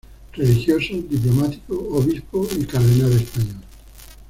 Religioso, diplomático, obispo y cardenal español.